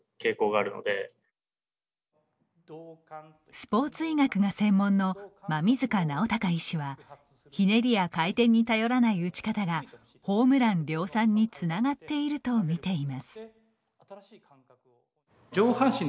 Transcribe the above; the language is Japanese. スポーツ医学が専門の馬見塚尚孝医師はひねりや回転に頼らない打ち方がホームラン量産につながっていると見ています。